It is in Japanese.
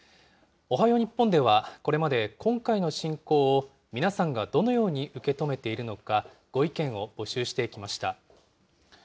おはよう日本ではこれまで今回の侵攻を皆さんがどのように受け止めているのか、ご意見を募集してきました。